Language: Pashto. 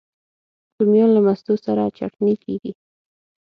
رومیان له مستو سره چټني کېږي